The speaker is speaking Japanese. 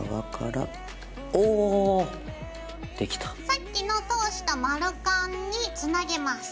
さっきの通した丸カンにつなげます。